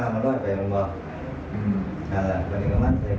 เห็นกันด้วยเพื่อนบุ้นทาวตรีสี่นานบ้าง